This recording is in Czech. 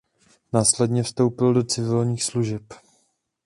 Následně vstoupil do civilních služeb.